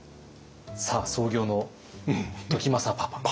さあ創業の時政パパ。